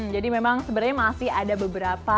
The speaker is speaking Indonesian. jadi memang sebenarnya masih ada beberapa